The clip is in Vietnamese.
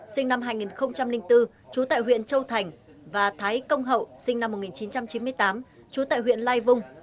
sinh năm hai nghìn bốn trú tại huyện châu thành và thái công hậu sinh năm một nghìn chín trăm chín mươi tám trú tại huyện lai vung